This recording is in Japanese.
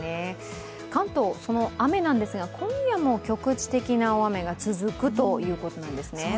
関東、雨なんですが今夜も局地的雨が続くということなんですね。